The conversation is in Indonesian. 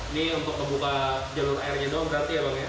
ini untuk membuka jalur airnya doang berarti ya bang ya